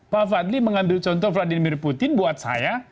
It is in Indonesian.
pak fadli mengambil contoh vladimir putin buat saya